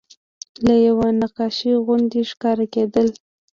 لکه یوه نقاشي غوندې ښکاره کېدل.